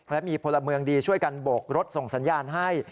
และมีพลเมืองดีช่วยกันโบกรถส่งสัญญาณให้